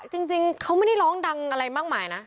จริงเขาไม่ได้ร้องดังอะไรมากมายนะ